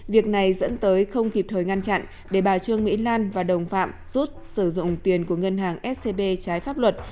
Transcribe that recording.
việc này dẫn tới không kịp thời ngăn chặn để bà trương mỹ lan và đồng phạm rút sử dụng tiền của ngân hàng scb trái pháp luật